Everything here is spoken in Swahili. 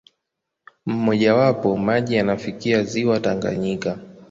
Mmojawapo, maji yanafikia ziwa Tanganyika.